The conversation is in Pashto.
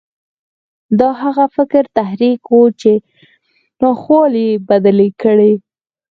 دا هغه فکري تحرک و چې ناخوالې يې بدلې کړې.